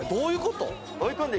あれ、どういうこと？